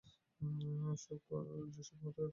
শোকর কর যে শুধুমাত্র একটা থাপ্পড় মেরেছি।